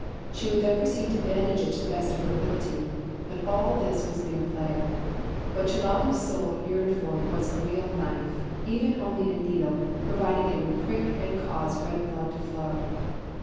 She would then proceed to bandage it to the best of her ability. But all this was mere play. What Chellalu's soul yearned for was a real knife, or even only a needle, provided it would prick and cause red blood to flow.